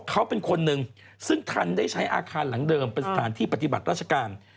ทางที่ปฏิบัติรัศนาภารการณ์